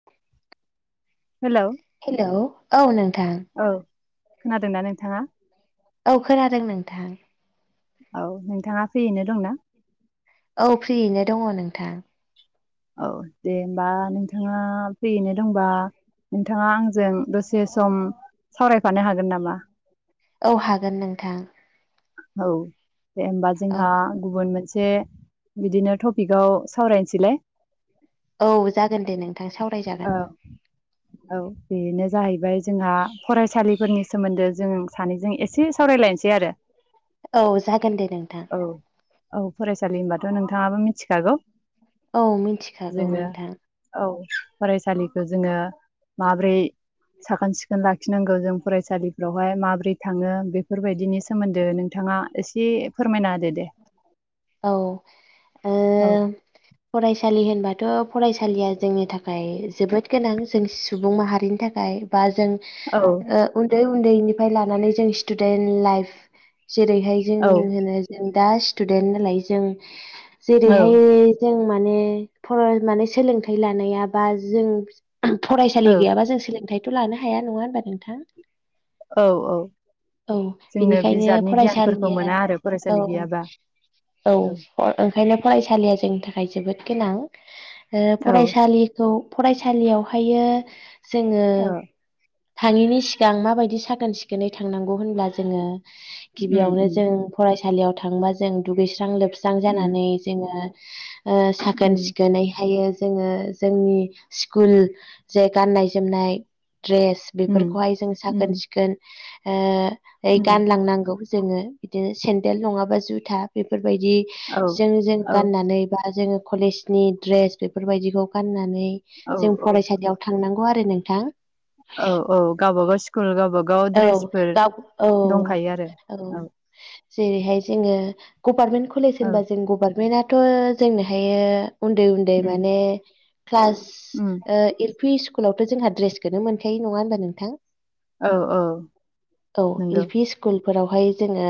[inaudible] हेल' hello औ नोंथां औ खोनादोंना नोंथाङा औ खोनादों नोंथां औ नोंथाङा फ्रियैनो दं ना औ फ्रियैनो दङ नोंथां। औ दे होमबा नोंथाङा फ्रियैनो दंबा नोंथांङा आंजों दसे सम सावरायफानो हागोन नामा? औ हागोन नोंथां। औ दे होनोमबा औ जोंहा गुबुन मोनसे बिदिनो टपिकआव सावरायनोसैलाय। औ जागोन दे नोंथां औ सावरायजागोन। [inaudible] औ बेनो जाहैबाय जोंहा फरायसालिफोरनि सोमोन्दै जों सानैजों एसे सावरायलायनोसै आरो औ जागोन दे नोंथां औ औ फरायसालि होनबाथ नोंथाङाबो मिथिखागौ औ मिथिखागौ जोङो नोंथां औ फरायसालिखौ जोङो माब्रै साखोन-सिखोन लाखिनांगौ जों फरायसालिफ्रावहाय माब्रै थाङो बेफोरबायदिनि सोमोन्दो नोंथांङा एसे फोरमायना होदो दे। औ ओ औ फरायसालि होनबाथ' फरायसालिया जोंनि थाखाय जोबोद गोनां जों सुबुं माहारिनि थाखाय। बा जों औ ओ उन्दै उन्दैनिफ्राय लानानै जों स्टुदेन्ट लाइफ जेरैहाय जों औ होनो जों दा स्टुदेन्ट नालाय जों औ जेरैहाय जों माने'फर माने सोलोंथाइ लानाया बा जों फरायसालि औ गैयाबा जों सोलोंथाइथ' लानो हाया नंङा होनबा नोंथां? औ औ औ जोङो बेनिखायनो बिजाबनि गियानफोरखौ फरायसालिया मोना आरो औ फरायसालि गैयाबा औ अ ओंखायनो फरायसालिया जोंनि थाखाय जोबोद गोनां। ओ औ फरायसालि ‌ खौ फरायसालियावहायो जोंङो ओ थांयिनि सिगां माबायदि साखोन सिखोनै थांनांगौ होनब्ला जोंङो उम गिबियावनो उम जों फरायसालियाव थांबा जों दुगैस्रां लोबस्रां उम जानानै जोंङो ओ उम साखोन सिखोनै हायो जोंङो जोंनि स्कुल जे गाननाय जोमनाय ड्रेस उम बेफोरखौहाय जों उम साखोन सिखोन ओ उम गानलांनांगौ जोंङो। बिदिनो सेन्देल नंङाबा जुथा बेफोरबायदि औ जों जों गाननानै बा जोंङो कलेज नि द्रेस बेफोरबायदिखौ गाननानै औ जों औ फरायसालियाव थांनांगौ आरो नोंथां। औ औ गावबागाव स्कुल गावबागाव औ ड्रेसफोर दाब औ दंखायो आरो औ जेरैहाय जोंङो गभार्मेन्ट कलेज औ होनबा जों गभारनमेन्टआ थ' जोंनो हायो उन्दै उन्दै उम माने क्लास उम ओ एल पि स्कुलावथ' जोंहा दड्रेसखौनो मोनखायो नंङा होनबा नोंथां? औ औ औ नंगौ एल पि स्कुलफोरावहाय जोंङो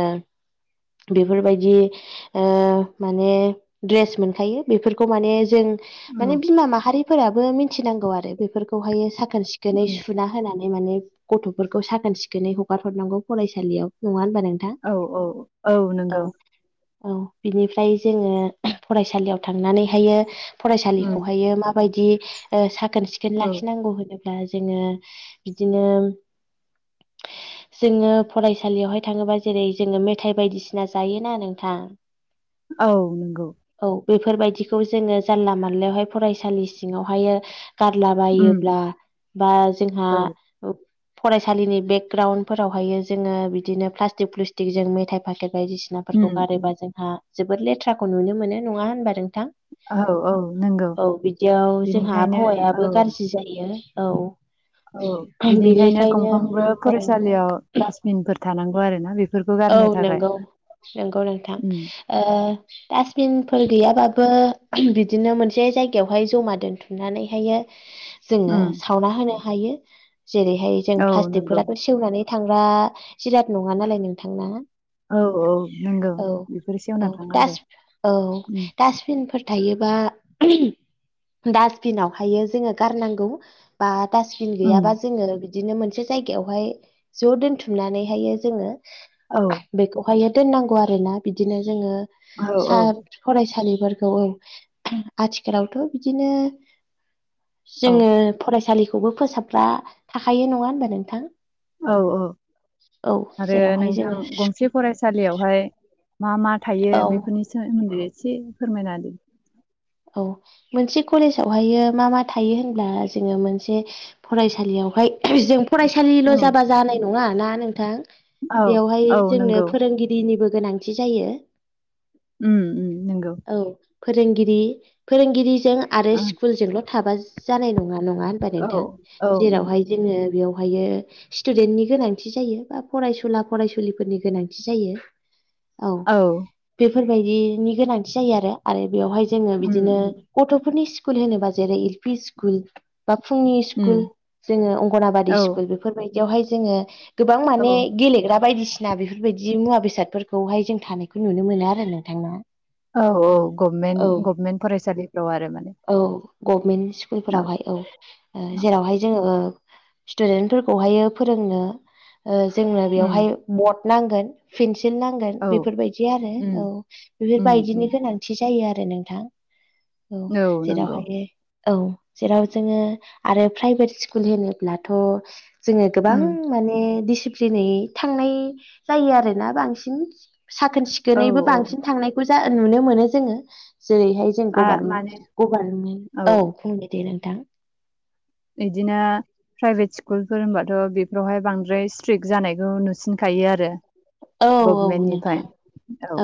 बेफोरबायदि ओ माने दड्रेस मोनखायो बेफोरखौ माने जों उम माने बिमा माहारिफोराबो मिथिनांगौ आरो बेफोरखौहायो साखोन सिखोनै उम सुना होनानै माने गथ'फोरखौ साखोन सिखोनै हगार हरनांगौ फरायसालियाव नंङा होनबा नों औ औ औ नंगौ। औ बिनिफ्राय जोंङो फरायसालियाव थांनानैहायो उम फरायसालिखौहायो माबायदि ओ साखोन सिखोन औ लाखिनांगौ होनोब्ला ब्ला जोंङो बिदिनो जोंङो फरायसालियावहाय थांङोबा जेरै जोंङो मेथाइ बायदिसिना जायोना नोंथां। औ नंगौ। औ बेफोरबायदिखौ जोंङो जानला मानलायावहाय फरायसालि सिंङावहायो उम गारलाबायोब्ला बा औ जोंहा फरायसालिनि बेकग्राउड फोरावहायो जोंङो बिदिनो प्लास्टिक प्लुस्टिक जों मेथाइ फाखथाय बायदिसि उम सिनाफोरखौ उम गारोबा जोंहा जोबोद लेथ्राखौ नुनो मोनो नङा होनबा नोंथां? औ औ नंगौ औ बिदियाव जोंहा बिनिखायनो औ आबहावायाबो गाज्रि जायो औ। औ बिनिखायनो बेनिखायनो गंफ्रोमबो औ फरायसालियाव दासबिनफोर थानांगौ आरो ना बे औ नंगौ नंगौ नोंथां उम ओ डासटबिनफोर गैयाबाबो बिदिनो मोनसे जायगायावहाय जमा दोनथुमनानैहायओ जोंङो उम सावना होनो हायो जेरैहाय जों औ नंगौ प्लास्टिकफोराबो सेवनानै थांग्रा जिराद नंङा नालाय नोंथांना? औ औ नंगौ औ बेफोर औ सेवना थाङा डास आरो औ उम डासटबिन फोर थायोबा डासबिनावहायो गारनांगौ। बा डासबिन गैयाबा उम जोङो बिदिनो मोनसे जायगायावहाय ज' दोनथुमनानैहायओ जोङो औ। बेखौहायो दोननांगौ आरोना बिदिनो जोङो औ सा फरायसालिफोरखौ औ आथिखालावथ' बिदिनो औ जोङो फरायसालिखौबो फोसाबग्रा थाखायो नङा होनबा नोंथां? औ औ औ आरो जेरावहाय जोङो नोंथां गंसे फरायसालियावहाय मा मा थायो औ बेफोरनि सोमोन्दै एसे फोरमायना होदो। औ मोनसे कलेजावहायो मा मा थायो होनब्ला जोङो मोनसे फरायसालियावहाय जों फरायसालिल' होदो। जाबा जानाय नङा ना नोंथां। औ बेवहाय औ जोंनो नंगौ फोरोंगिरिनिबो गोनांथि जायो। उम। उम नंगौ औ फोरोंगिरि फोरोंगिरिजों आरो औ स्कुलजोंल' थाबा जानाय नङा नङा होनबा औ नोंथां जेरावहाय जोङो बेवहायो स्टुदेन्टनि गोनांथि जायो बा फरायसुला फरायसुलिफोरनि गोनांथि जायो। औ बेफोरबायदिनि गोनांथि जायो आरो आरो बेवहाय जोङो उम बिदिनो गथ'फोरनि स्कुल होनोबा जेरै एल पि स्कुल बा फुंनि उम स्कुल जोङो अंगनाबादि औ स्कुल बेफोरबायदियावहाय जोङो गोबां औ माने गेलेग्रा बायदिसि ना बेफोरबायदि मुवा बेसादफोरखौहाय जों थानायखौ नुनो मोनो आरो नोंथांना। औ औ गभमेन्ट गभमेन्ट फरायसालिफ्राव आरो माने। औ गभमेन्ट औ स्कुलफोरावहाय औ। औ जेरावहाय जोङो स्टुदेन्ट फोरखौहायो फोरोंनो जोंनो उम बेवहाय बट नांगोन। पेन्सिल नांगोन औ बेफोरबायदि आरो उम औ उम उम बेफोरबायदिनि गोनांथि जायो आरो नोंथां। औ जेरावहायो औ जेराव जोङो आरो प्राइभेट स्कुल होनोब्लाथ' जोङो गोबां उम माने दिसिप्लिनै थांनाय जायो आरोना बांसिन साखोन औ सिखोनैबो औ बांसिन थांनायखौ जा नुनो मोनो जोङो जेरैहाय जों आ माने गभार्नमेन्ट गभार्नमेन्टनि औ बुंदों दे नोंथां। बिदिनो प्राइभेट स्कुलफोर होनबाथ' बेफोरावहाय बांद्राय स्ट्रिक जानायखौ नुसिनखायो आरो। औ औ नोंथां गभमेन्टनिफ्राय औ।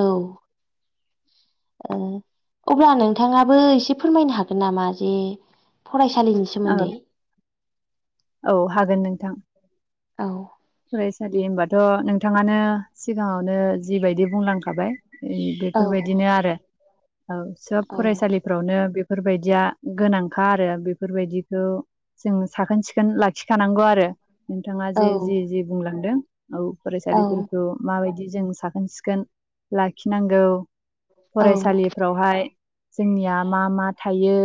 ओ अब्ला नोंथाङाबो एसे फोरमायनो हागोन नामा जे फरायसालिनि औ सोमोन्दै। औ हागोन नोंथां। औ। फरायसालि होनबाथ' नोंथाङानो सिगाङावनो जिबायदि बुंलांखाबाय ओम औ बेफोरबायदिनो आरो औ सोब औ फरायसालि फोरावनो बेफोरबायदिया गोनांखा आरो बेफोरबायदिखौ जों साखोन सिखोन लाखिखानांगौ आरो। नोंथाङा जे जे जे बुंलांदों औ औ फरायसालिफोरखौ माबायदि जों साखोन सिखोन लाखिनांगौ औ फरायसालि फोरावहाय जोंनिया मा मा थायो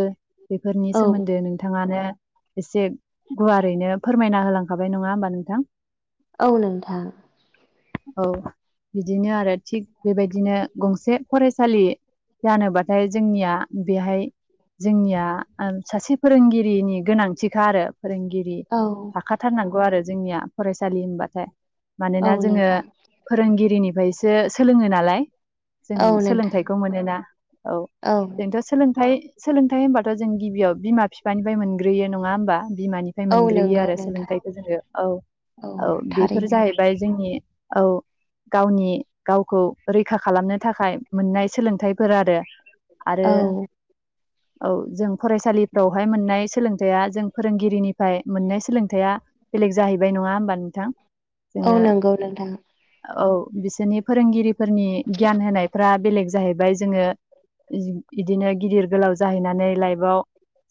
बेफोरनि औ सोमोन्दै नों नोंथाङानो एसे गुवारैनो फोरमायना होलांखाबाय नङा होमबा नोंथां औ नोंथां। औ बिदिनो आरो थिग बेबायदिनो गंसे फरायसालि जानोबाथाय जोंनिया बेहाय जोंनिया सासे फोरोंगिरि नि गोनांथिखा आरो फोरोंगिरि औ थाखाथारनांगौ आरो जोंनिया फरायसालि होनबाथाय औ मानोना जोङो नोंथां फोरोंगिरिनिफ्रायसो सोलोङो नालाय जों औ नोंथां सोलोंथाइखौ मोनोना औ जोंथ' सोलोंथाइ सोलोंथाइ होनबाथ' जों गिबियाव बिमा बिफानिफ्राय मोनग्रोयो नङा होमबा बिमानि औ मोनग्रोयो नंगौ आरो नोंथां सोलोंथायाइखौ जोङो औ औ बेफोर जाहैबाय जोंनि औ गावनि गावखौ रैखा खालामनो थाखाय मोननाय सोलोंथाइफोर आरो आरो औ औ जों फरायसालिफ्रावहाय मोननाय सोलोंथाइया जों फोरोंगिरिनिफ्राय मोननाय सोलोंथाइआ बेलेग जाहैबाय नङा होमबा नोंथां औ जोङो नंगौ नोंथां औ बिसोरनि फोरोंगिरिफोरनि गियान होनायफ्रा बेलेग जाहैबाय जोङो बिदिनो गिदिर गोलाव जाहैनानै लाइफआव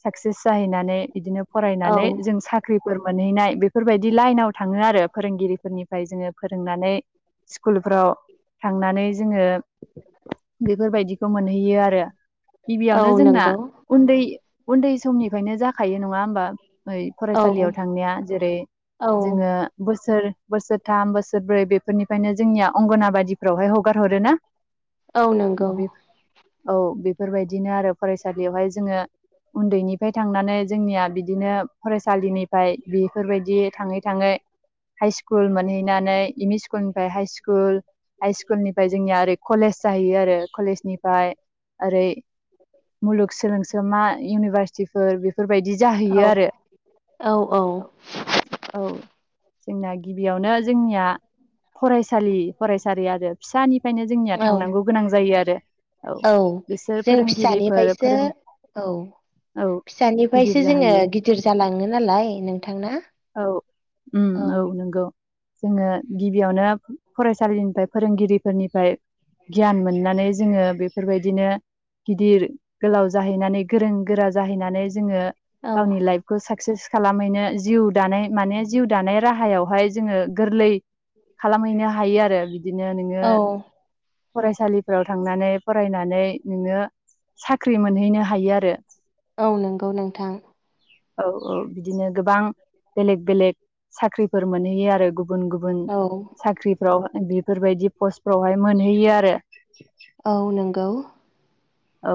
साक्सेस जाहैनानै बिदिनो औ फरायनानै जों साख्रिफोर मोनहैनाय बेफोरबायदि लाइनाव थाङो आरो फोरोंगिरिफोरनिफ्राय जोङो फोरोंनानै स्कुलफ्राव थांनानै जोङो बेफोरबायदिखौ मोनहैयो आरो औ गिबियावनो जोंना नंगौ उन्दै उन्दै समनिफ्रायनो जाखायो नङा होमबा औ फरायसालियाव थांनाया जेरै औ जोङो बोसोर बोसोरथाम बोसोरब्रै बेफोरनिफ्रायनो जोंनिया अंगनाबादिफ्रावहाय हगार हरो ना औ नंगौ औ बेफोरबायदिनो आरो फरायसालियावहाय जोङो उन्दैनिफ्राय थांनानै जोंनिया बिदिनो फरायसालिनिफ्राय बेफोरबायदि थां थाङै हाइ स्कुल मोनहैनानै एम इ स्ल स्कुल निफ्राय हाइ स्कुल हाइ स्कुलनिफ्राय जोंनिया ओरै कलेज जाहैयो आरो कलेजनिफ्राय ओरै मुलुग सोलोंसोमा इउनिभारसिटिफोर बेफोरबायदि औ जाहैयो आरो औ औ औ जोंना गिबियावनो जोंनिया फरायसालि फरायसालि आरो फिसानिफ्रायनो जोंनिया औ थांनांगौ गोनां जायो आरो। औ बिसोर जों फोरोंगिरिफोर फिसानिफ्रायसो फोरों औ औ गिदिर फिसानिफ्रायसो जोङो जाहैयो गिदिर जालाङो नालाय नोंथांना औ उम औ नंगौ। जोङो गिबियावनो फरायसालिनिफ्राय फोरोंगिरिफोरनिफ्राय गियान मोननानै जोङो बेफोरबायदिनो गिदिर गोलाव जाहैनानै गोरों गोरा जाहैनानै जोङो औ गावनि लाइफखौ साक्सेस खालामहैनो जिउ दानाय माने जिउ दानाय राहायावहाय जोङो गोरलै खालामहैनो हायो आरो बि बिदिनो नोङो औ फरायसालिफोराव थांनानै फरायनानै नोङो साख्रि मोनहैनो हायो आरो। औ नंगौ नोंथां। औ औ बिदिनो गोबां बेलेग बेलेग साख्रिफोर मोनहैयो आरो गुबुन गुबुन औ साख्रि फाराव बेफोरबायदि पस्टफ्रावहाय मोनहैयो आरो। औ नोंगौ औ।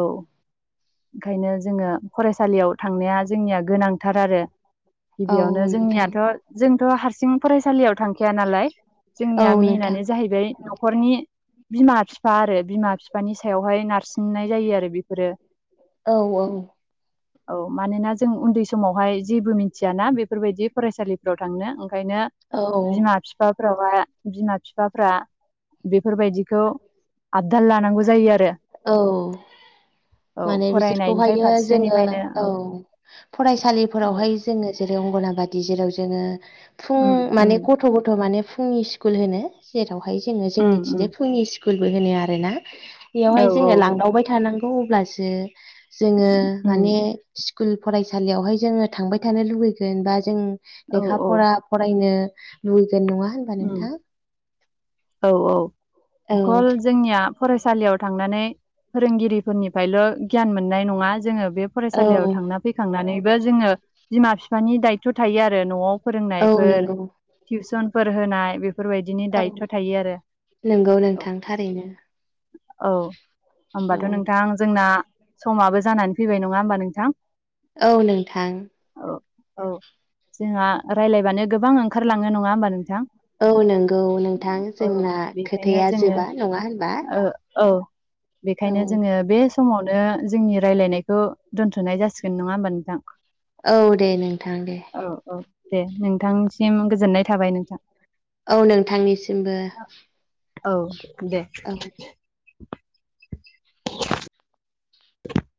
ओंखायनो जोङो फरायसालियाव थांनाया जोंनिया गोनांथार आरो। औ गिबियावनो नोंथां जोंनियाथ' जोंथ' हारसिं फरायसालियाव थांखाया नालाय औ जोंनिया नोंथां मेइनानो जाहैबाय न'खरनि बिमा बिफा आरो बिमा बिफानि सायावहाय नारसिननाय जायो आरो बेफोरो औ औ औ मानोना जों उन्दै समावहाय जेबो मिथियाना बेफोरबायदि फरायसालिफ्राव थांनो ओंखायनो औ बिमा बिफाफ्रावाय बिमा बिफाफ्रा बेफोरबायदिखौ आबदाल लानांगौ जायो आरो। औ। औ माने फरायनायनिफ्राय बिसोरखौहायो जोङो फारसेनिफ्रायनो औ औ फरायसालिफोरावहाय जोङो जेरै अंगनाबादि जेराव जोङो फुं उम उम माने गथ थ' गथ' माने फुंनि स्कुल होनो। जेरावहाय जोङो उम जोंनिथिंजाय उम फुंनि स्क स्कुलबो होनो आरोना। औ बेयावहाय औ जोङो लांदावबाय थानांगौ अब्लासो जोङो उम माने स्कुल फरायसालियावहाय जोङो थांबाय थानो लुबैगोन, बा जों औ लेखा औ फरा फरायनो लुगैगोन। नङा होन उम औ औ औ अकल जोंनिया फरायसालियाव थांनानै फोरोंगिरिफोरनिफ्रायल' गियान मोननाय नङा जोङो बे औ फरायसालियाव थांना फैखांनानैबो जोङो बिमा फिफानि दायथ' थायो आरो न'आव औ फोरोंनायफोर नंगौ टिउसनफोर होनाय बे फोरबायदिनि औ दायथ' थायो आरो नंगौ औ। नोंथां थारैनो औ औ होमबाथ' नोंथां जोंना समाबो जानानै फैबाय, नङा होमबा नोंथां? औ नोंथां। औ औ जोंहा रायलायबानो गोबां ओंखारलांनो, नङा होमबा नोंथां? औ नंगौ नोंथां औ जोंना बेखायनो खोथाया जोङो जोबा, नङा होनबा? ओ औ, औ बेखायनो जोङो बे समावनो जोंनि रायलायनायखौ दोनथ'नाय जासिगोन, नङा होमबा नोंथां? औ दे नोंथां दे। औ औ दे नोंथांसिम गोजोननाय थाबाय नोंथां। औ नोंथांनिसिमबो। औ दे। औ [inaudible]